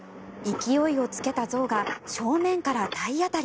勢いをつけた象が正面から体当たり。